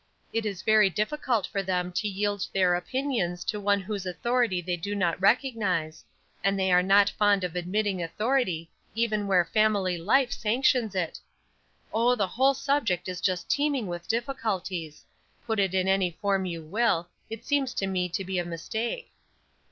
It is very difficult for them to yield their opinions to one whose authority they do not recognize; and they are not fond of admitting authority even where family life sanctions it. Oh, the whole subject is just teeming with difficulties; put it in any form you will, it seems to me to be a mistake.